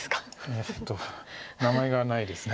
えっと名前がないです。